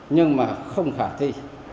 nhưng mà không khả thi